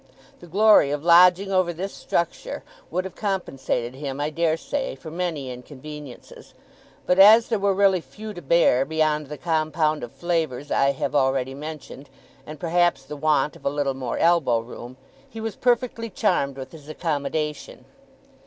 The glory of lodging over this structure would have compensated him, I dare say, for many inconveniences; but, as there were really few to bear, beyond the compound of flavours I have already mentioned, and perhaps the want of a little more elbow room, he was perfectly charmed with his accommodation.